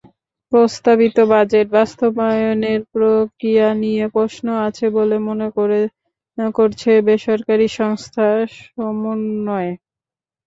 প্রস্তাবিত বাজেট বাস্তবায়নের প্রক্রিয়া নিয়ে প্রশ্ন আছে বলে মনে করছে বেসরকারি সংস্থা সমুন্নয়।